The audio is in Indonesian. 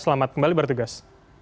selamat kembali bertugas